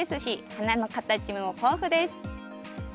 花の形も豊富です。